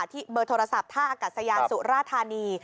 เบอร์โทรศัพท์ท่าอากาศยานสุราธานี